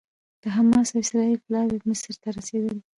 د حماس او اسرائیل پلاوي مصر ته رسېدلي